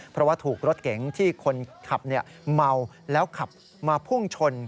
เพราะว่าถูกรถเก๋งที่คนขับเมาแล้วขับมาพุ่งชน